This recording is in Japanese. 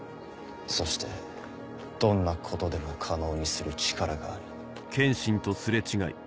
そしてどんなことでも可能にする力がある。